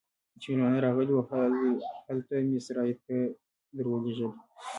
چې مېلمانه راغلي وو، هلته مې سرای ته درولږل.